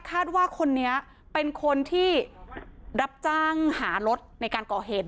คาดว่าคนนี้เป็นคนที่รับจ้างหารถในการก่อเหตุ